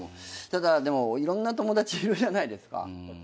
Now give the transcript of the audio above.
ただでもいろんな友達いるじゃないですか。